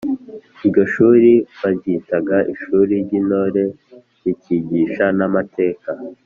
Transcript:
Iryo shuli baryitaga ishuri ry'intore rikigisha n’amateka